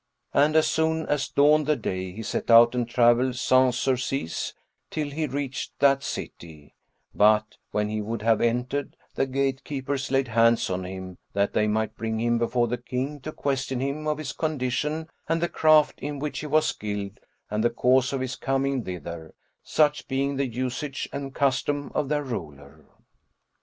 And as soon as dawned the day he set out and travelled sans surcease till he reached that city; but, when he would have entered, the gate keepers laid hands on him, that they might bring him before the King to question him of his condition and the craft in which he was skilled and the cause of his coming thither such being the usage and custom of their ruler.